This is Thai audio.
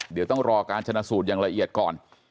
เดี๋ยวต้องรอการชนะสูตรอย่างละเอียดก่อน